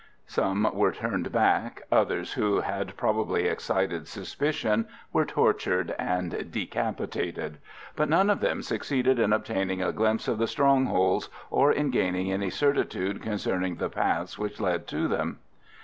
Some were turned back; others, who had probably excited suspicion, were tortured and decapitated; but none of them succeeded in obtaining a glimpse of the strongholds, or in gaining any certitude concerning the paths which led to them.